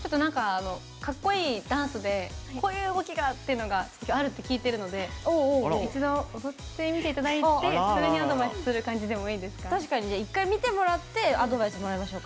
かっこいいダンスでこういう動きがっていうのがあるって聞いてるので一度、踊ってみていただいてそれにアドバイスする感じでもいいですか？